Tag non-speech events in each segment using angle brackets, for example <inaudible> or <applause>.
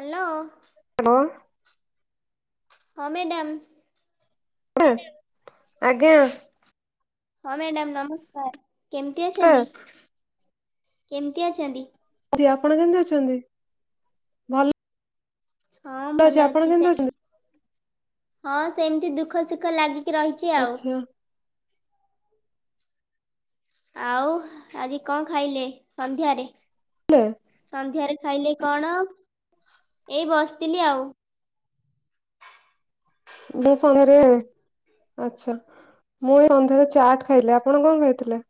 Hello. Hello. ହଁ madam. ଆଜ୍ଞା। ହଁ ମ୍ୟାଡ଼ାମ ନମସ୍କାର। କେମିତି ଅଛନ୍ତି? ନମସ୍କାର କେମତି ଅଛନ୍ତି? କି ଆପଣ କେମିତି ଅଛନ୍ତି ଭଲ। ହଁ ଭଲ ଆପଣ ଅଛି କେମିତି ସେମ ଅଛନ୍ତି? ହଁ ସେମିତି ଦୁଃଖ ସୁଖ ଲାଗି ରହିଛି ଆଉ। ଆଚ୍ଛା ଆଉ ଆଜି କଣ ଖାଇଲେ ସନ୍ଧ୍ୟାରେ? ହେ ସନ୍ଧ୍ୟାରେ ଖାଇଲେ କଣ ଏଇ ବସିଥିଲି ଆଉ। ଆଛା ମୁଁ ଏଇ ସନ୍ଧ୍ୟାରେ ଚାଟ ଖାଇଲେ ଆପଣ କଣ ଖାଇଥିଲେ?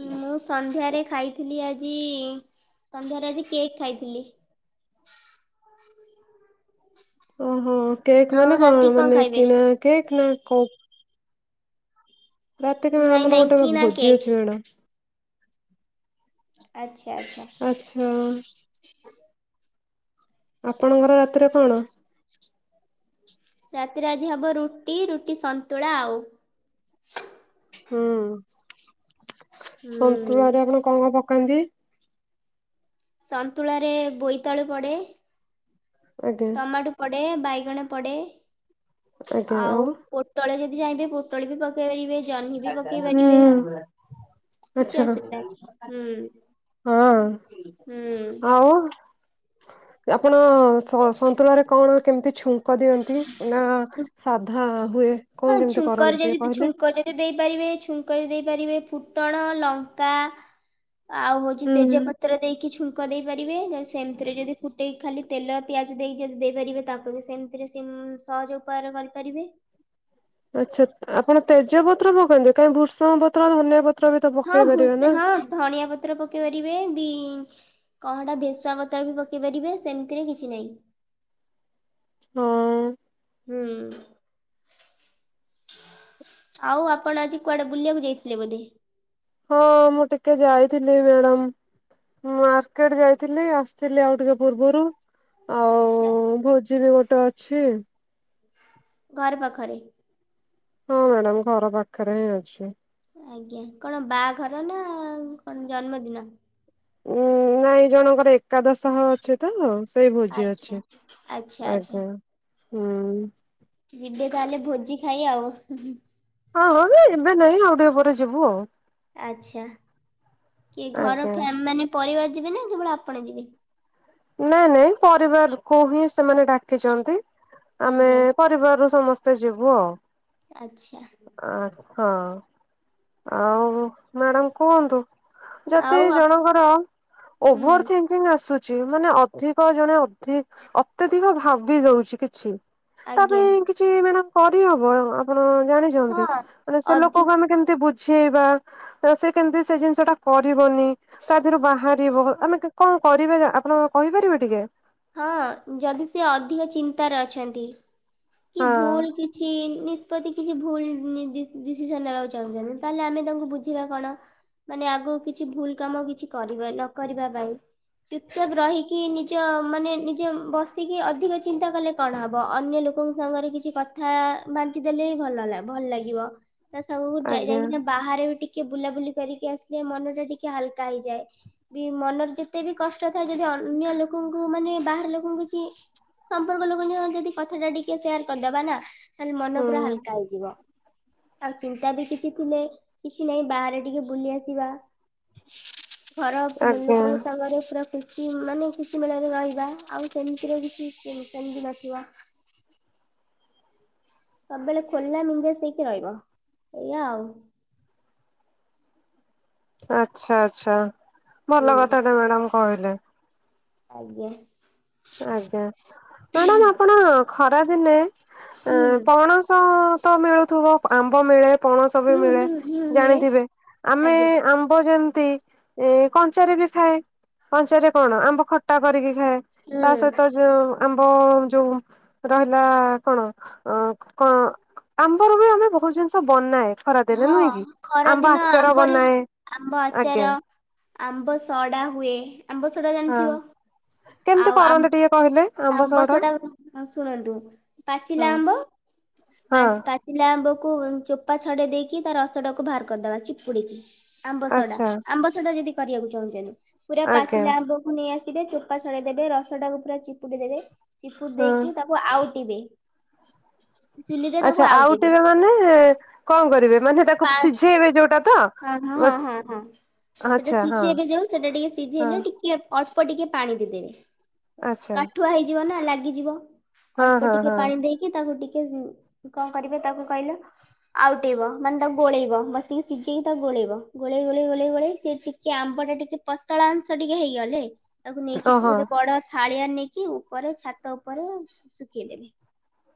ମୁଁ ସନ୍ଧ୍ୟାରେ ଖାଇଥିଲି ଆଜି ସନ୍ଧ୍ୟାରେ ଆଜି କେକ୍ ଖାଇଥିଲି। ଓହୋ। କେକ୍ ଆଉ ମାନେ କଣ ରାତି ମାନେ ଖାଇବେ? କିଣା କେକ୍ ନା ହଉ। ରାତିକୁ ବା ନାଇଁ ଆମର ନାଇଁ ଗୋଟେ ବା କିଣା ଭୋଜି କେକ୍ ଅଛି ମ୍ୟାଡମ। ଆଛ୍। ଆଚ୍ଛା। ଆପଣଙ୍କର ରାତିରେ କଣ? ରାତିରେ ଆଜି ହବ ରୁଟି ରୁଟି ସନ୍ତୁଳା ଆଉ। ହୁଁ। ହୁଁ ସନ୍ତୁଳାରେ ଆପଣ କଣ କଣ ପକ୍ କୁଅନ୍ତି। ସନ୍ତୁଳାରେ ବୋଇତାଳୁ ପଡେ। ଆଜ୍ଞା ଟମାଟୁ ପଡ୍ ଡେ ବାଇଗଣ ପଡେ। ଆଉ ପୋଟଳ ଯଦି ଯିଏ ହାଁଇବେ ପୋଟଳ ବି ପକେଇ ପାରିବେ। ଜହ୍ନି ବି ପକେଇ ପାରିବେ ହୁଁ କିଛି ଆଚ୍ଛା ଅସୁବିଧା ନାହିଁ। ହୁଁ ହଁ ହୁଁ। ଆପଣ୍? ଓ ସ ସନ୍ତୁଳାରେ କଣ? କେମତି ଛୁଁ ଖ ଦିଅନ୍ତି ନା ସାଧା। ହୁଏ। କଣ ହଁ କେମିତି କରନ୍ତି ଛୁଙ୍କର ଟିକେ <unintelligible> କହିଲେ? ଛୁଙ୍କ ଯେତ୍ ଦେଇପାରିବେ ଛୁଙ୍କରେ ଦେଇପାରିବେ ଫୁଟଣ ଲଙ୍କା। ଆଉ ହଉଛି ହୁଁ। ତେଜପତ୍ର ଦେଇକି ଛୁଙ୍କ୍ ଙ୍କ ଦେଇ ପାରିବେ ସେମତିରେ ଯଦି ଫୁଟେଇକି ଖାଲି ତେଲ ପିଆଜ ଦେଇକି ଯଦି ଦେଇ ପାରିବେ ତାକୁ ବି ସେମତିରେ ସେମ୍ ସହଜ ଉପାୟରେ କରିପାରିବେ। ଆଚ୍ଛା। ଆପଣ ତେଜପତ୍ର ପକାନ୍ତି କାହିଁ ଭୃସଙ୍ଗ ପତ୍ର ଧନିଆ ପତ୍ ହଁ ଭୁସ୍ ହଁ ଧଣିଆ ପତ୍ର ପକେଇ ପାରିବେ। ବି କଣ ହେଇଟା ଭେସୁଆ ବତର ବି ପକେଇ ପାରିବେ ସେମତିରେ କିଛି ନାହିଁ। ହଁ। ହୁଁ। ଆଉ ଆପଣ ଆଜି କୁଆଡେ ବୁଲିବାକୁ ଯାଇଥିଲେ ବୋଧେ? ହଁ ମୁଁ ଟିକେ ଯାଇଥିଲି ମ୍ୟାଡ଼ମ। ମାର୍କେଟ ଯାଇଥିଲି ଆସିଥିଲି ଆଉ ଟିକେ ପୂର୍ବରୁ। ଆଚ୍ଛା ଆଉ ଭୋଜି ବି ଗୋଟେ ଅଛି। ଘର ପାଖରେ? ହଁ ମ୍ୟାଡମ ଘର ପାଖରେ ହିଁ ଅଛି। ଆଜ୍ଞା। କଣ ବାଘର ନା କଣ୍ ଜନ୍ମଦିନ? ଉୁଁ ନାଇଁ ଜଣଙ୍କର ଏକ୍ ଏକାଦଶଃ ଅଛି ତ ସେଇ ଭୋଜି ଆଜ୍ଞା ଅଛି। ଆଚ୍ଛା ଆଚ୍ଛା ଆଜ୍ଞା। ହୁଁ। ଯିବେ ତାହେଲେ ଭୋଜି ଖାଇ ଆଉ। ହଁ ହଁ ଏବେ ନାହିଁ ଆଉ ଦେହ ପରେ ଯିବୁ ଆଉ। ଆଛା କି ଘର ଆଜ୍ଞା ମାନେ ପରିବାର ଯିବେ ନା କେବଳ ଆପଣ ଯିବେ। ନାଇଁ ନାଇଁ ପରିବାର କ ହିଁ ସେମାନେ ଡାକିଛନ୍ତି। ଆମେ ଆଜ୍ଞା ପରିବାରରୁ ସମସ୍ତ ସମସ୍ତେ ଯିବୁ ଆଉ। ଆଚ୍ଛା। ଆ ହଁ ଆଉ ମ୍ୟାଡ଼ାମ କୁହନ୍ତୁ। ଯତେ ଆଉ ଆପ ଜଣଙ୍କର ହୁଁ ଓଭର ଙ୍କିଙ୍ଗ ଆସୁଛି। ମାନେ ଅଧିକ ଜଣେ ଅଧିକ ଅତ୍ୟଧିକ ଭାବି ଦଉଛି କିଛି। ତା ଆଜ୍ଞା ପାଇଁ କିଛି ମଡ କରିହବ ଆପଣ ଜାଣିଛନ୍ତି ହଁ ମାନେ ସେ ଅଧି ଲୋକଙ୍କୁ ଆମେ କେମତି ସେଇବା ରୋଷେଇ କେମିତି ସେ ଜିନିଷ ଟା କରିବନି, ତା ଦେହରୁ ବାହାରିବ ଆମେ କଣ କର ଆପଣ କହିପାରିବ ଟିକେ। ହଁ ଯଦି ସିଏ ଅଧିକ ଚିନ୍ତାରେ ଅଛନ୍ତି। କି ହଁ ଭୁଲୁ କିଛି ନି ଯଦି କିଛି ଭୁଲୁ ଡି- ଡିସିସନ ନେବାକୁ ଚାହୁଁଛନ୍ତି, ତାହେଲେ ଆମେ ତାଙ୍କୁ ବୁଝିବା କଣ? ମାନେ ଆଗକୁ କିଛି ଭୁଲ କାମ କିଛି ନ କରିବା ପାଇଁ ଚାପ ରହିକି ନିଜ ମାନେ ନିଜେ ବସିକି ଅଧିକ ଚିନ୍ତା କଲେ କଣ ହବ, ଅନ୍ୟ ଲୋକଙ୍କ ସାଙ୍ଗରେ କିଛି କଥା ବାଣ୍ଟି ଦେଲେ ବି ଭଲା -ଭଲ ଲାଗିବ। ତ ସବୁ ଆଜ୍ଞା ଯାଇକିନା ବାହାରେ ବି ଟିକେ ଟିକେ ବୁଲାବୁଲି କରିକି ଆସିଲେ ମନ ଟିକେ ହାଲକା ହେଇଯାଏ, ବି ମନର ଯେତେ ବି କଷ୍ଟ ଥାଏ, ଯଦି ଅନ୍ୟ ଲୋକଙ୍କୁ ମୁଁ ମାନେ ବାହାର ଲୋକଙ୍କୁ କିଛି ସମ୍ପର୍କ ଲୋକଙ୍କୁ, ଯଦି କଥା ଟା ଟିକେ ସେୟାର କରିଦବା ନା ହେଲେ ମନ ପୁରା ହୁଁ ହାଲକା ହେଇଯିବ। ଆଉ ଚିନ୍ତା ବି କିଛି ଥିଲେ କିଛି ନାହିଁ, ବାହାରେ ଟିକେ ବୁଲି ଆସିବା। ଘର <unintelligible> ଅବ ଆଜ୍ଞା ଲୋକଙ୍କ ସାଙ୍ଗରେ ପୁରା କିଛି ମାନେ କିଛି ମେଳାରେ ରହିବା, ଆଉ ସେମିତିରେବି କିଛି ସେମିତି <unintelligible> ବସିବା। ସବୁବେଳେ ଖୋଲା <inaudible> ସେଇକି ରହିବ, ଏଇଆ ଆଉ। ଆଚ୍ଛା ଆଚ୍ଛା। ଭଲ ହୁଁ କଥାଟେ ମ୍ୟାଡାମ‌! କହିଲେ ଆଜ୍ଞା। ଆଜ୍ଞା। ମ୍ୟାଡାମ ଆପଣ ଖରାଦିନେ ହୁଁ ଏଁ ପଣସ ତ ମିଳୁଥିବ ଆମ୍ବ ମିଳେ ପଣସ ବି ହୁଁ ମିଳେ ହୁଁ ହୁଁ ମିଳେ। ଜାଣିଥିବେ, ଆମେ ଆଜ୍ଞା ଆମ୍ବ ଯେମ ତି ଇ କଞ୍ଚାରେ ବି ଖାଏ, କଞ୍ଚାରେ କଣ ଆମ୍ବ ଖଟା କରିକି ଖାଏ। ହୁଁ ତା ସହିତ ଯୋଉ ଆମ୍ବ ଯୋଉ ରହିଲା କଣ ଅଁ କଣ ଆମ୍ବରେ ବି ଆମେ ବହୁତ ଜିନିଷ ବନାଏ ଖରାଦିନେ ହଁ ନୁହେଁ କି? ଆମ୍ବ ଖରାଦିନ ଆଚାର ଆମ୍ବରେ ବନାଏ ଆମ୍ବ ଆଜ୍ଞା ଆଚାର, ଆମ୍ବ ସଡା ହୁଏ, ଆମ୍ବ ସେଟା ହଁ। ଜାଣିଥିବ କେମିତି ଆଉ ଆମ୍ କରନ୍ତି ଟିକେ କହିଲେ ଆମ୍ବ ସଢା ହଁ ଶୁଣନ୍ତୁ, ହଁ ପାଚିଲା ଆମ୍ବ ପା ହଁ ପାଚିଲା ଆମ୍ବ କୁ ଚୋପା ଛଡେଇ ଦେଇକି, ତା ରସ ଟା ଟାକୁ ଭାର କରିଦବା ଚିପୁଡିକି। ଆମ୍ବସଡା ଆଚ୍ଛା ଆମ୍ବସଡା ଯଦି କରିବାକୁ ଚାହୁଁଚନ୍ତି ପୁରା ଆଜ୍ଞା ପାଚିଲା ଆମ୍ବକୁ ନେଇ ଆସି <unintelligible> ଫାଷ୍ଟ ଛଡେଇ ଦେବେ ରସ ଟାକୁ ପୁରା ଚିପୁଡ଼ି ଦେବେ ଚିପୁ ହଁ। ଦେଇକି ତାକୁ ଆଉଟିବେ <inaudible> ତାକୁ ଆଚ୍ଛା ଆଉ ଆଉଟିବେ। ଟିବେ ମାନେ କଣ କରିବେ? ମାନେ ତାକୁ ପା ଫ ସିଝେଇବେ ଯୋଉଟା ତ? ହଁ ହଁ ହଁ ହଁ ହଁ ସେଟା ଆଚ୍ଛା ହଁ ସିଝେଇବେ ଯୋଉ ସେଟା ଟିକେ ସିଝି ହଁ ହେଲେ ଟିକେ ଅଳ୍ପ ଟିକେ ପାଣି ଦେଇଦେବେ ଆଚ୍ଛା କାଠୁଆ ହେଇଯିବ ନା ଲା ଲାଗିଯିବ। ହଁ ଅଳ୍ପ ହଁ ଟିକେ ହଁ ପାଣି ଦେଇକି ତାକୁ ଟିକେ ଟେ କଣ କରିବେ ତାକୁ କହିଲ ଆଉଟେଇବ ମାନେ ତାକୁ ଗୋଳେଇବ ମସିକି ସିଝେଇ ତ ଗୋଳେଇବ ଗୋଳେଇ ଗୋଳେଇ ଗୋଳେଇ ଗୋଳେଇ ସେ ଟିକେ ଆମ୍ବ ଟା ଟିକେ ପତଳା ଅଂଶ ଟିକେ ହେଇଗଲେ ତାକୁ ନେଇକି ଓହୋ ଗୋଟେ ବଡ ଥାଳିଆ ନେଇକି କି ଉପରେ ଛାତ ଉପରେ ଶୁଖେଇଦେବେ।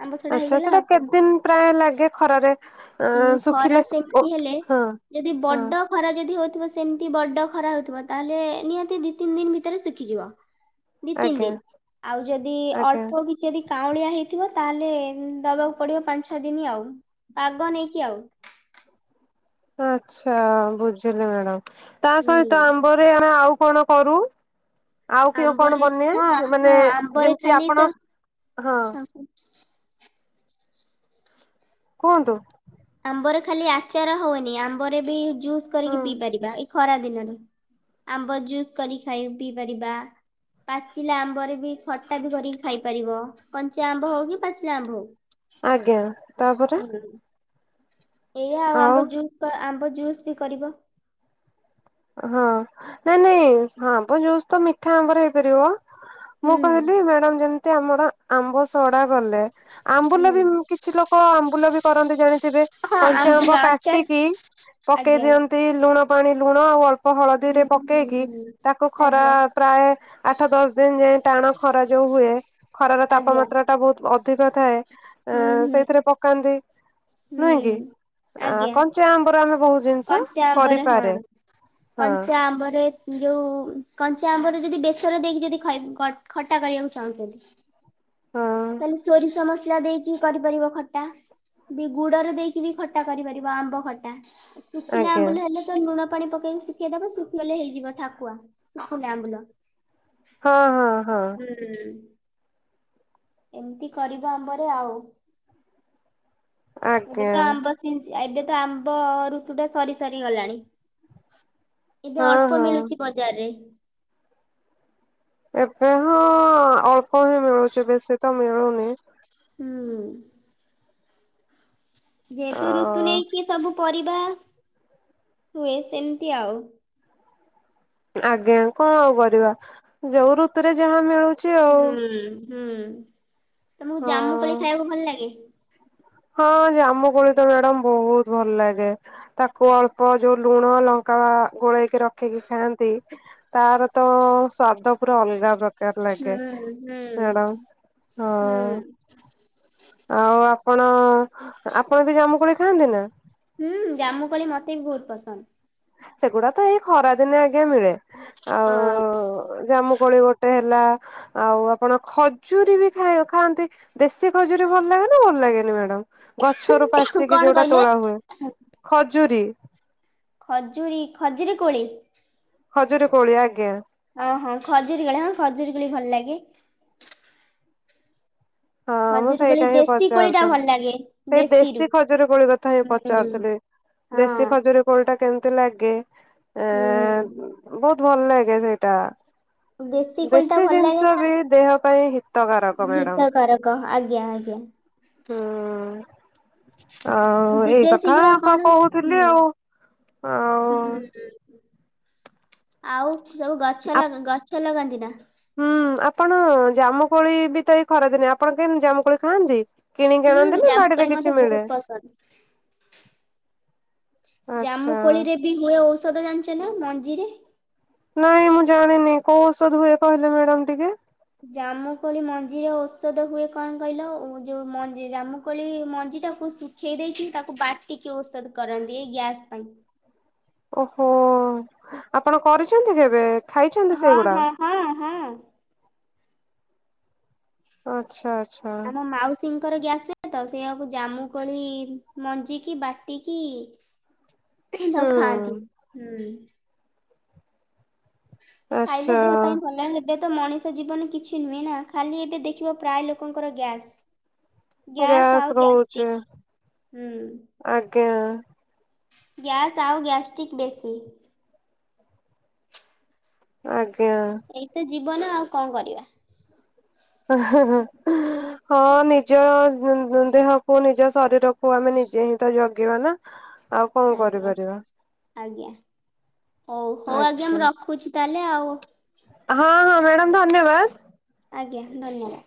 ଆମ୍ବ ସଡା ଆଛା ହେଇଗଲା ସେଟା ଆଉ କଣ କେତେ ଦିନ ପ୍ରାୟ ଲାଗେ ଖରାରେ ଉଁ ଖରା ଶୁଖିଲେ? ଉମଂ ସେମିତି ହେଲେ ହଁ ଯଦି ହଁ ବଡ ଖରା ଯଦି ହଉଥିବ ସେମିତି ବଡ ଖରା ହଉଥିବ ତାହେଲେ ନିହାତି ଦି ତିନି ଦିନ ଭିତରେ ଶିଖିଯିବ। ଦି ତିନି ଆଜ୍ଞା ଦିନ ଆଉ ଯଦି ଆଜ୍ଞା ଅଳ୍ପ କିଛିଯଦି ଚାଉଁଳିଆ ହେଇଥିବ ତାହେଲେ ଦବାକୁ ପଡିବ ପାଞ୍ଚ ଛଅ ଦିନ ଆଉ ପାଗ ନେଇକି ଆଉ। ଆଛା ବୁଝିଲି ମ୍ୟାଡ଼ାାମ। ତା ହୁଁ ସହିତ ଆମ୍ବରେ ଆଉ କଣ କରୁ? ଆଉ କି କଣ ଆମ୍ବରେ ବନେ ହଁ ମାନେ ହଁ ଆମ୍ବରେ ଯେମିତି ଖାଲି ଆପଣ ତ ହଁ କୁହନ୍ତୁ। ଆମ୍ବରେ ଖାଲି ଆଚାର ହଉନି ଆମ୍ବରେ ବି ଜୁସ୍ ହୁଁ କରିକି ପିଇ ପାରିବା ଏଇ ଖରା ଦିନରେ ଆମ୍ବ ଜୁସ୍ କରିକି ଖାଇ ପିଇ ପାରିବା। ପାଚିଲା ଆମ୍ବରେ ବି ଖଟା ବି କରିକି ଖାଇପାରିବ। କଞ୍ଚା ଆମ୍ବ ହଉ କି ପାଚିଲା ଆମ୍ବ ହଉ ଆଜ୍ଞା ତାପରେ ଏଇ ଆଉ ଆମ୍ବ ଜୁସ୍ ଆମ୍ବ ଜୁସ୍ ବି କରିବ। ହଁ ନାଇଁ ନାଇଁ ହପ ଯୁସ୍ ତ ମିଠା ଆମ୍ଵ ରେ ହେଇପାରିବ। ମୁଁ ହୁଁ କହିଲି ମ୍ୟାଡାମ ଯେମ ଏମିତି ଆମର ଆମ୍ବ ସଢା ଗଲେ ହୁଁ ଆମ୍ବୁଲ ବି କିଛି ଲୋକ ଆମ୍ବୁଲ ବି କରନ୍ତି ଜାଣି ଥିବେ। ହଁ କଞ୍ଚା ଆମ୍ବୁଲ ଆମ୍ବ ଆଚାର କାଟିକି ପକେଇ ଆଜ୍ଞା ଦିଅନ୍ତି ଲୁଣ ପାଣି ଲୁଣ ହଁ ଆଉ। ହୁଁ ହଳଦୀରେ ହୁଁ ପକେଇକି ହୁଁ ତାକୁ ଖରା ଆଜ୍ଞା ପ୍ରାୟ ଆଠ ଦଶ ଦିନ ଯାଏ ଟାଣ ଖରା ଯୋଉ ହୁଏ। ଖରାର ଆଜ୍ଞା ତାପମାତ୍ରା ଟା ବହୁତ ଅ ଅଧିକ ଥାଏ। ଆ ହୁଁ ହୁଁ ସେଇଥିରେ ପକାନ୍ତି ନୁହେଁ କି? ହୁଁ ଆ ଆଜ୍ଞା କଞ୍ଚା ଆମ୍ବର ଆମେ ବହୁତ ଜିନିଷ କଞ୍ଚା ଆମ୍ବରେ ହଁ କରିପାରେ ହଁ କଞ୍ଚା ଆମ୍ବରେ ଯୋଉ କଞ୍ଚା ଆମ୍ବରେ ଯଦି ବେସର ଦେଇକି ଯଦି ଖଟ ଖଟ ଖଟା କରିବାକୁ ଚାହୁଁଚନ୍ତି। ହଁ। ତାହଲେ ସୋରିଷ ସମଲା ଲା ଦେଇକି କରିପାରିବ ଖଟା। ବି ଗୁଡରେ ଦେଇକି ବି ଖଟା କରିପାରିବ ଆମ୍ବ ଖଟା। ସୁଖିଲା ଆଜ୍ଞା ଆମ୍ବୁଲ ହେଲେ ଲୁଣ ପାଣି ପକେଇକି ଶୁଖେଇଦବ, ଶୁଖିଲେ ହେଇଯିବ ଠାକୁଆ ଶୁଖୀଲା ଆମ୍ବୁଲ ହଁ ହଁ ହଁ। ହୁଁ ଏମିତି କରିବା ଆମ୍ବରେ ଆଉ। ଏବେ ଆଜ୍ଞା ତ ଆମ୍ବ ସିଜି ଆବେ ତ ଆମ୍ବ ଋତୁ ଟା ସରି ସରି ଗଲାଣି। ଏବେ ହଁ ଅଳ୍ପ ହଁ। ମିଳୁଚି ବଜାରେ। ହଁ ହଁ ଅଳ୍ପ ହିଁ ମିଳୁଚି ବେଶୀ ତ ମିଳୁନି। ହୁଁ। ଅ ଯେହେତୁ ଋତୁ ନେଇକି ସବୁ ପରିବା ହୁଏ ସେମିତି ଆଉ। ଆଜ୍ଞା। କଣ କରିବା ଯୋଉ ଋତୁରେ ଯାହା ମିଳୁ ହୁଁ ହୁଁ ତମକୁ ହଁ ଜାମୁ କୋଳି ଖାଇବାକୁ ଭଲ ଲାଗେ? ହଁ ଜାମୁ କୋଳି ତ ମ୍ୟାଡାମ ବହୁତ ଭଲ ଲାଗେ ତାକୁ ଅଳ୍ପ ଯୋଉ ଲୁଣ ଲଙ୍କା ଗୋଳେଇକି ରଖିକି ଖାଆନ୍ତି ତାର ତ ସ୍ଵାଦ ପୁରା ଅଲଗା ପ୍ରକାର ପ୍ରକାର ହୁଁ ଲାଗେ ହୁଁ ମ୍ୟାଡାମ ହୁଁ। ହଁ ଆଉ ଆପଣ ଆପଣ ବି ଜାମୁ କୋଳି ଖାଆନ୍ତି ନା ହୁଁ ଜାମୁ କୋଳି ମୋତେ ବି ବହୁତ ପସନ୍ଦ। ସେଗୁଡା ତ ଏଇ ଖରା ଦିନେ ଆଜ୍ଞା ମିଳେ ହଁ କୋଳି ଗୋଟେ ହେଲା ଆଉ ଆପଣ ଖଜୁରୀ ବି ଖାଇବା-ଖାଆନ୍ତି। ଦେଶୀ ଖଜୁରୀ ଭଲ ଲାଗେ ନା ଭଲ ଲାଗେନି ମ୍ୟାଡାମ୍ ଗଛ ଗଛରୁ ହଁ। ପାଚିକି କଣ ଯୋଉଟା କହିଲେ ତୋଳା ହୁଏ ଖଜୁରୀ। ଖଜୁରୀ ଖଜିରୀ କୋଳି। ଖଜୁରୀ କୋଳି ଆଜ୍ଞା। ଅଁ ହୋ ଖଜୁରୀ କୋଳି ହଁ ଖଜୁରୀ କୋଳି ଭଲ ଲାଗେ। ହଁ ମୁଁ ଖଜୁରୀ କୋଳି ସେଇଟା ହିଁ ଦେଶୀ କୋଳି ଟା ପଚାରୁଥିଲି। ଭଲ ଲାଗେ ସେଇ ଦେଶୀରୁ। ଦେଶୀ ଖଜୁରୀ କୋଳି କଥା ହିଁ ହୁଁ। ପଚାରୁଥିଲି ଦେଶୀ ହୁଁ ଖଜୁରୀ କୋଳି ଟା କେମତି ତ-ଲାଗେ। ଏଁ ବହୁତ। ଭଲ ଲାଗେ ସେଇଟା। କୋଳିଟା ଦେଶୀ ଭଲ ଲାଗେ ଜିନିଷ ନା ବି ଦେହ ପାଇଁ ହିତକାରକ ମ୍ୟାଡାମ୍। କହ ଆଜ୍ଞା ଆଜ୍ଞା। ହୁଁ। ଆଉ ଏଇ ବିଦେଶୀ କଥା ଗୁରା ତ କଣ ହୁଁ କହୁଥିଲି ଆଉ ଆଉଁ। ହୁଁ ଆଉ। ସବୁ ଗଛ-ଲଗ୍ ଗଛ ଲଗାନ୍ତି ରିନା। ହୁଁଉଁ ଆପଣ ଜାମୁ କୋଳି ବି ତ ଏଇ ଖରାଦିନେ ଆପଣ କେନ୍ତି ଜାମୁ କୋଳି ଖାଆନ୍ତି? କିଣିକି ଆଣନ୍ତି ହୁଁ ନା ବାଡିରେ ଜାମୁକୋଳି ମତେ କିଛି ବହୁତ ମିଳେ? ପସନ୍ଦ ଆଚ୍ଛା ଜାମୁକୋଳିରେ ବି ହୁଏ ଔଷ ସଦା ଜାଣିଚ ନା ମଞ୍ଜିରେ। ନାଇଁ ମୁଁ ଜାଣିନି କୋଉ ଔଷଧ ହୁଏ କହିଲେ ମ୍ୟାଡାମ୍ ଟିକେ। ଜାମୁକୋଳି ମଞ୍ଜିରେ ଔଷଧ ହୁଏ କଣ କଇଲ ଓ ଯୋଉ ମଞ୍ଜି ଜାମୁକୋଳି ମଞ୍ଜି ଟାକୁ ଶୁଖେଇ ଦେଇକି ତାକୁ ବାଟିକି ଔଷଧ କରନ୍ତି ଏ ଗ୍ୟାସ୍ ପାଇଁ। ହୋଓ ଆପଣ କରୁଛନ୍ତି କେବେ? ଖାଇଛନ୍ତି ହଁ ସେଇଗୁଡା? ହଁ ହଁ ହଁ। ଆଚ୍ଛାର୍। ଆମ ମାଉସ୍। ସିଙ୍କର ଗ୍ୟାସ୍ ହୁଏ ତ। ସେଆକୁ ଜାମୁ କୋଳି ମଞ୍ଜିିକି ବାଟିକି। ତାକୁ ଖାଆନ୍ତି ହୁଁ। ହୁଁଉଁ। ଖାଇଲେ ଆଚ୍ଛା ଦେହ ପାଇଁ ଭଲ ହେବେ। ତ ମଣିଷ ଜୀବନ କିଛି ନୁହେଁ ନା। ଖାଲି ଏବେ ଦେଖିବ ପ୍ରାୟ ଲୋକଙ୍କର ଗ୍ୟାସ୍। ଗ୍ୟାସ୍ ଆଉ ଗ୍ୟାସ ରହୁଛି ଗ୍ୟାଷ୍ଟ୍ରିକ୍ ହୁଁ। ଆଜ୍ଞା। ଗ୍ୟାସ୍ ଆଉ ଗ୍ୟାଷ୍ଟ୍ରିକ୍ ବେଶୀ। ଆଜ୍ଞ। ଜ୍ଞା ଏଇତ ଜୀବନ ଆଉ କଣ କରିବା। ହଁ ନିଜ ହୁଁ ହୁଁ ଦେହକୁୁ ନିଜ ଶରୀରକୁ ଆମେ ନିଜେ ହି ତୋ ଜଗିବା ନା ଆଉ କଣ ଆଜ୍ଞା। କରିପାରିବା। ଆଜ୍ଞା। ହଉ ହଉ ଆଜି ଆଜ୍ଞା ମୁଁ ରଖୁଛି ତାର ହେଲେ ଆଉ। ହଁ ହଁ ମ୍ୟାଡ଼ାମ ଧନ୍ୟବାଦ। ଆଜ୍ଞା। ନାଇଁ ମ